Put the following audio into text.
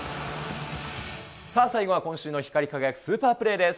さあ、最後は今週の光り輝くスーパープレーです。